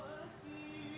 pemimpinan gus dur